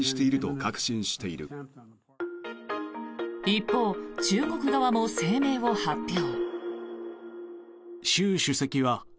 一方、中国側も声明を発表。